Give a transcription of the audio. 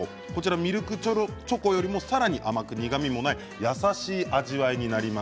ミルクチョコよりもさらに甘く苦みもない優しい味わいになります。